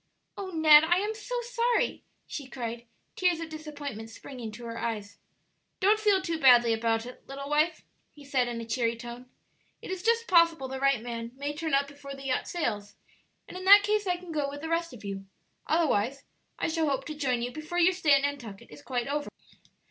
"Oh, Ned, I am so sorry!" she cried, tears of disappointment springing to her eyes. "Don't feel too badly about it, little wife," he said, in a cheery tone; "it is just possible the right man may turn up before the yacht sails; and in that case I can go with the rest of you; otherwise I shall hope to join you before your stay at Nantucket is quite over."